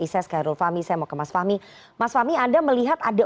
saya skyrul fahmi saya mau ke mas fahmi mas fahmi anda melihat ada